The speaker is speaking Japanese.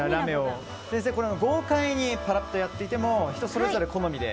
先生、豪快にパラッとやっても人それぞれ好みで。